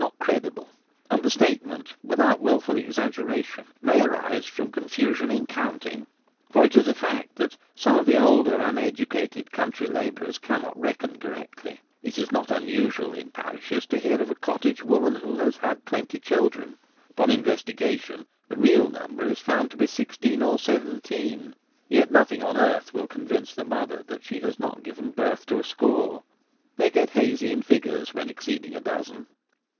not credible ; and the statement, without wilful exaggeration, may arise from confusion in counting, for it is a fact that some of the older uneducated country labourers cannot reckon correctly. It is not unusual in parishes to hear of a cottage woman who has had twenty children. Upon investigation the real number is found to be sixteen or seventeen, yet nothing on earth will convince the mother that she has not given birth to a score. They get hazy in figures when exceeding a dozen.